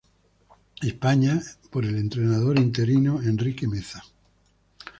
España por el entrenador interino Enrique Meza.